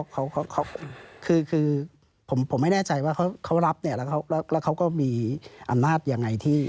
คือผมไม่แน่ใจว่าเขารับแล้วเขาก็มีอำนาจอย่างไรที่